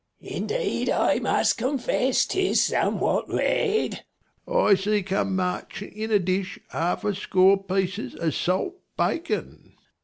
Indeed I must confess, 'tis somewhat red. 25 Second W. I see come marching in a dish half a score pieces of salt bacon.